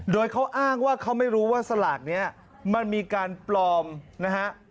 โดยเขาอ้างว่าเขาไม่รู้ว่าสลากนี้มันมีการปลอมนะฮะ